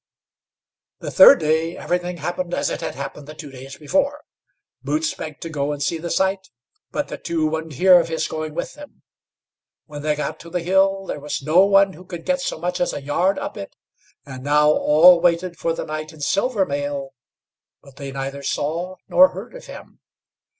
The third day everything happened as it had happened the two days before. Boots begged to go and see the sight, but the two wouldn't hear of his going with them. When they got to the hill there was no one who could get so much as a yard up it; and now all waited for the knight in silver mail, but they neither saw nor heard of him.